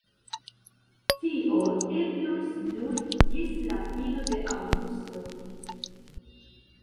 Tio eblos nur ĝis la fino de aŭgusto.